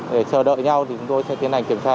để chờ đợi nhau thì chúng tôi sẽ tiến hành kiểm tra